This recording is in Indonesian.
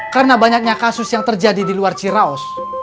karena banyaknya kasus yang terjadi di luar ciraos